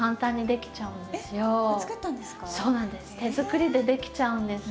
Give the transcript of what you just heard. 手作りでできちゃうんです。